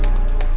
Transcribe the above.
di sini aja pak